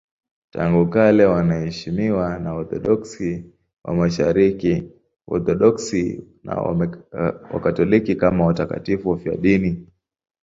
Tangu kale wanaheshimiwa na Waorthodoksi wa Mashariki, Waorthodoksi na Wakatoliki kama watakatifu wafiadini.